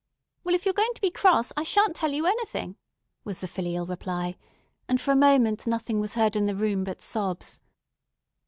"Well, if you're going to be cross, I sha'n't tell you anything," was the filial reply; and for a moment nothing was heard in the room but sobs.